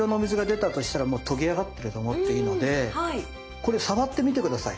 これ触ってみて下さい。